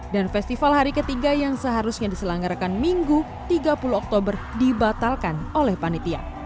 festival hari ketiga yang seharusnya diselenggarakan minggu tiga puluh oktober dibatalkan oleh panitia